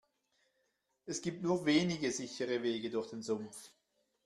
Es gibt nur wenige sichere Wege durch den Sumpf.